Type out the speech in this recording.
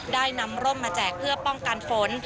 ได้นำร่มมาแจกเพื่อป้องกันฝน